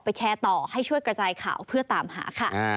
แชร์ต่อให้ช่วยกระจายข่าวเพื่อตามหาค่ะ